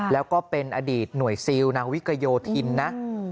แล้วก็เป็นอดีตหน่วยซิลนางวิกโยธินนะ